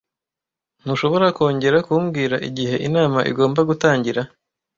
Ntushobora kongera kumbwira igihe inama igomba gutangira?